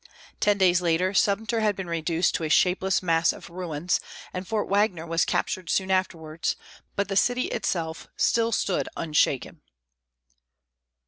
Ten days later Sumter had been reduced to a shapeless mass of ruins, and Fort Wagner was captured soon afterwards, but the city itself still stood unshaken.